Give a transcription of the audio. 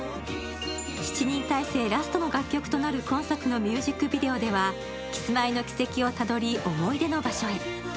７人体制ラストの楽曲となる今作のミュージックビデオではキスマイの軌跡をたどり思い出の場所へ。